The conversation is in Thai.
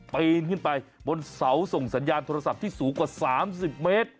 ปีนขึ้นไปบนเสาส่งสัญญาณโทรศัพท์ที่สูงกว่า๓๐เมตร